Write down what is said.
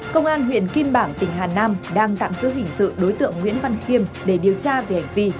công an huyện kim bảng tỉnh hà nam đang tạm giữ hình sự đối tượng nguyễn văn khiêm để điều tra về hành vi